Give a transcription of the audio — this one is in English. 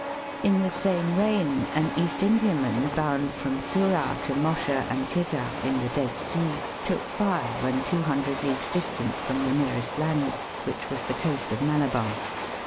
lii the same reign, an East Indiaman, bound from Surat to Mocha and Jidda in the Dead Sea, took fire when two hundred leagues distant from the nearest land, which was the coast of Malabar.